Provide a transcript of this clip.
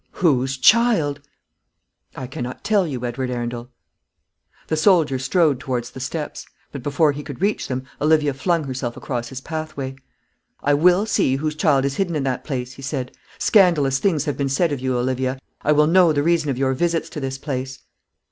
"Whose child?" "I cannot tell you, Edward Arundel." The soldier strode towards the steps, but before he could reach them, Olivia flung herself across his pathway. "I will see whose child is hidden in that place," he said. "Scandalous things have been said of you, Olivia. I will know the reason of your visits to this place."